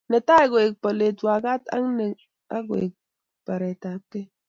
Netai koek bolatet, wakat ak let koek biretapkei